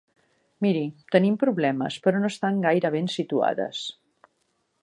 Miri, tenim problemes, però no estan gaire ben situades.